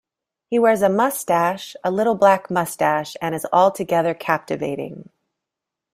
He wears a moustache, a little black moustache, and is altogether captivating.